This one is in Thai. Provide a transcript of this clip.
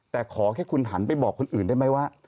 แต่ขอแค่คุณหันไปบอกคนอื่นได้ไหมว่า